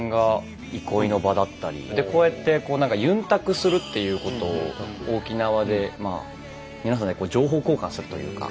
こうやってゆんたくするっていうことを沖縄で皆さんで情報交換するというか。